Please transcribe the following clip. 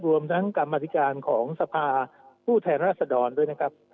รวมทั้งกรรมธิการของสภาผู้แทนราชดรด้วยนะครับ